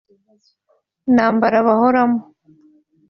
intambara bahoramo